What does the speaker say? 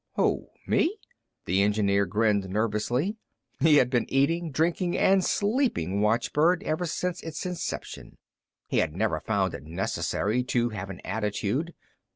"Who, me?" The engineer grinned nervously. He had been eating, drinking and sleeping watchbird ever since its inception. He had never found it necessary to have an attitude.